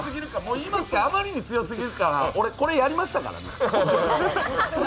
あまりに強すぎるから、俺、これやりましたからね。